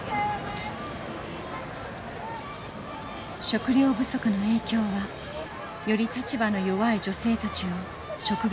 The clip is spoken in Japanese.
食料不足の影響はより立場の弱い女性たちを直撃していました。